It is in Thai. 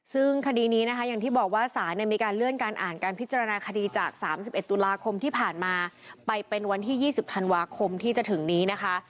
ซึ่งคดีนี้นะคะอย่างที่บอกว่าสารมีการเลื่อนการอ่านการพิจารณาคดีจาก๓๑ตุลาคมที่ผ่านมาไปเป็นวันที่๒๐ธันวาคมที่จะถึงนี้นะคะ